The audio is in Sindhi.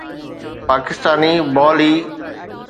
پاڪستاني بال اي